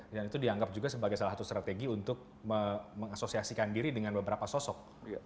dan itu dianggap juga sebagai salah satu strategi untuk mengasosiasikan diri dengan beberapa sosok